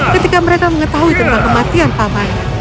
ketika mereka mengetahui tentang kematiannya